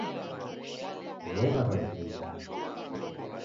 Reda wazima